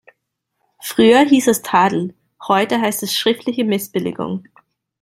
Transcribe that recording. Früher hieß es Tadel, heute heißt es schriftliche Missbilligung.